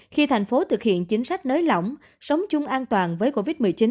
khi thành phố thực hiện chính sách nới lỏng sống chung an toàn với covid một mươi chín